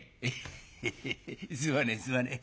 「ヘヘヘすまねえすまねえ。